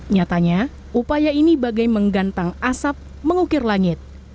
nyatanya upaya ini bagai menggantang asap mengukir langit